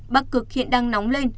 bắc cực hiện đang nóng lên